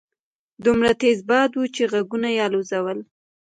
دومره تېز باد وو چې غوږونه يې الوځول.